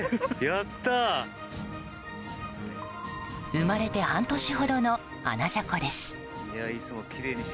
生まれて半年ほどのアナジャコです。